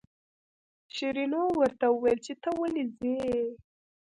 شیرینو ورته وویل چې ته ولې ځې.